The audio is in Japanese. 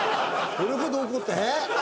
それほど怒ってない。